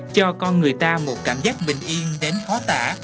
cho con người ta một cảm giác bình yên đến phó tả